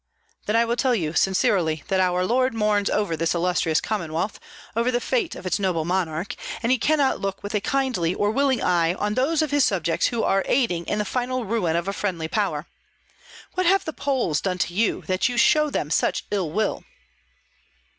"Then I will tell you sincerely, that our lord mourns over this illustrious Commonwealth, over the fate of its noble monarch, and he cannot look with a kindly or willing eye on those of his subjects who are aiding in the final ruin of a friendly power. What have the Poles done to you, that you show them such ill will?"